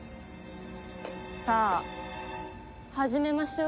さあ始めましょう。